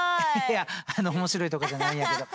いやあの面白いとかじゃないんやけど。